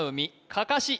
かかし